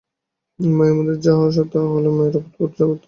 মায়ার মধ্যে যাহা সৎ, তাহা হইল মায়ার মধ্যে ওতপ্রোতভাবে বিদ্যমান প্রকৃত সত্তা।